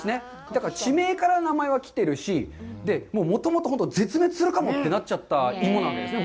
だから地名から名前は来てるし、もともと本当絶滅するかもってなっちゃった芋なわけですね。